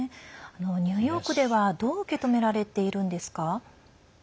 ニューヨークではどう受け止められているんですか。